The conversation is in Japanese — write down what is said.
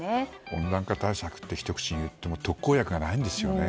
温暖化対策ってひと口に言っても特効薬がないんですよね。